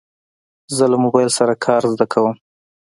زه له موبایل سره کار زده کوم.